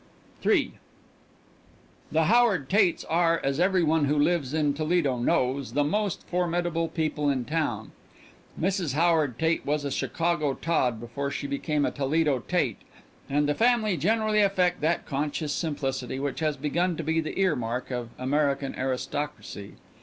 III The Howard Tates are, as every one who lives in Toledo knows, the most formidable people in town. Mrs. Howard Tate was a Chicago Todd before she became a Toledo Tate, and the family generally affect that conscious simplicity which has begun to be the earmark of American aristocracy.